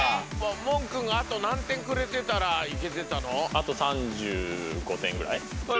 問くんがあと何点くれてたらいけてたの？